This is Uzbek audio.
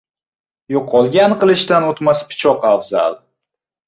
• Yo‘qolgan qilichdan o‘tmas pichoq afzal.